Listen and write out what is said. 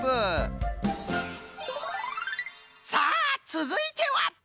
さあつづいては。